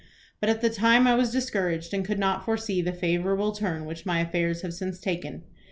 But at the time I was discouraged, and could not foresee the favorable turn which my affairs have since taken.